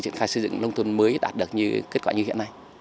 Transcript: triển khai xây dựng nông thuận mới đạt được kết quả như hiện nay